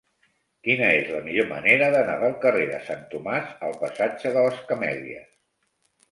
Quina és la millor manera d'anar del carrer de Sant Tomàs al passatge de les Camèlies?